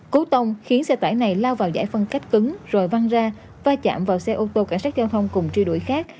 cú tông khiến xe tải này lao vào giải phân cách cứng rồi văng ra va chạm vào xe ô tô cảnh sát giao thông cùng truy đuổi khác